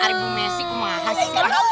ari bu messi kumahas